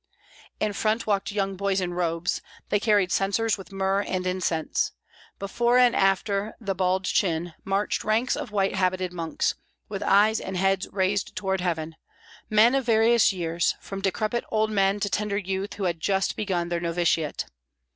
In front walked young boys in robes, they carried censers with myrrh and incense; before and after the baldachin marched ranks of white habited monks, with eyes and heads raised toward heaven, men of various years, from decrepit old men to tender youths who had just begun their novitiate.